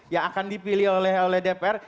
yang akan dipilih oleh dpr